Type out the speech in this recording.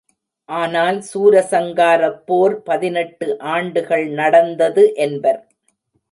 ஆனால் சூரசங்காரப் போர் பதினெட்டு ஆண்டுகள் நடந்தது என்பர்.